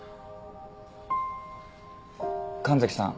神崎さん。